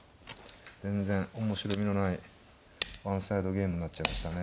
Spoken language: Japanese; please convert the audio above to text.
全然面白みのないワンサイドゲームになっちゃいましたね。